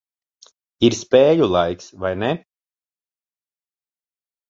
Ir spēļu laiks, vai ne?